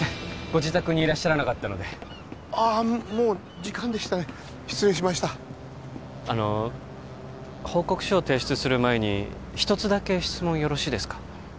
ご自宅にいらっしゃらなかったのでああもう時間でしたね失礼しましたあの報告書を提出する前に一つだけ質問よろしいですか？